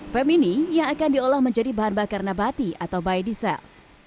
fem ini yang akan diolah menjadi bahan bakar nabati atau biodiesel